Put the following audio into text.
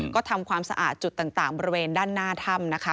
ก็ทำความสะอาดจุดต่างบริเวณด้านหน้าถ้ำนะคะ